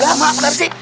ah mak nanti